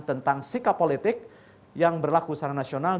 tentang sikap politik yang berlaku secara nasional